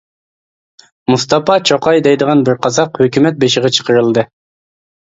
مۇستاپا چوقاي دەيدىغان بىر قازاق ھۆكۈمەت بېشىغا چىقىرىلدى.